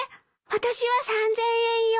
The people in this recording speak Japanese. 私は３，０００円よ？